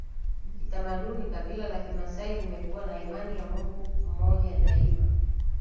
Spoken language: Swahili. Kitamaduni kabila la kimasai limekuwa na imani ya Mungu mmoja daima